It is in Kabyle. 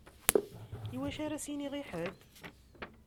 Iwacu ara s-iniɣ i ḥedd?